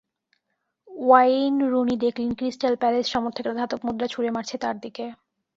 Wayne Rooney দেখলেন Crystal Palace সমর্থকেরা ধাতব মুদ্রা ছুড়ে মারছে তাঁর দিকে।